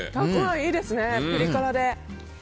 いいですね、ピリ辛で。